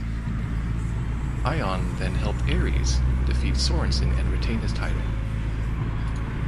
Ion then helped Aries defeat Sorensen and retain his title.